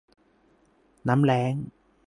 น้ำแล้ง